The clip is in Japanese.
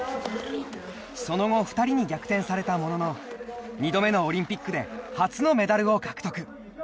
その後２人に逆転されたものの２度目のオリンピックで初のメダルを獲得。